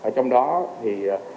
trong đó thì